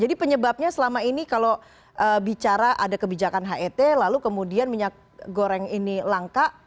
jadi penyebabnya selama ini kalau bicara ada kebijakan het lalu kemudian minyak goreng ini langka